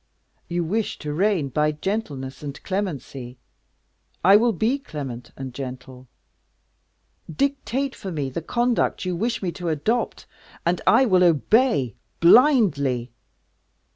You wish to reign by gentleness and clemency? I will be clement and gentle. Dictate for me the conduct you wish me to adopt, and I will obey blindly."